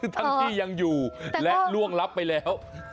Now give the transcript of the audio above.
ทั้งที่ยังอยู่และล่วงลับไปแล้ว